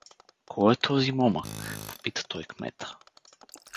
— Кой е този момък? — попита той кмета.